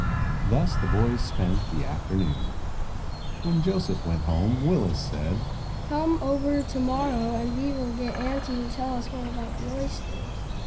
Thus the boys spent the afternoon. When Joseph went home Willis said: "Come over to morrow and we will get auntie to tell us more about the oyster."